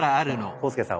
浩介さん